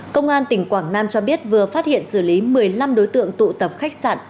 công an tỉnh quảng nam cho biết vừa phát hiện xử lý một mươi năm đối tượng tụ tập khách sạn